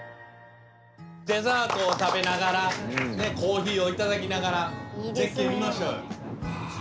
デザートを食べながらコーヒーを頂きながら絶景見ましょうよ！